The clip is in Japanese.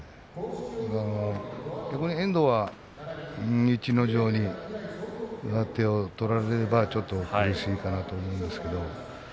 逆に遠藤は逸ノ城に上手を取られれば、ちょっと苦しいかなと思うんですけれど。